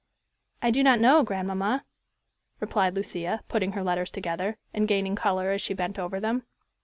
"I do not know, grandmamma," replied Lucia, putting her letters together, and gaining color as she bent over them.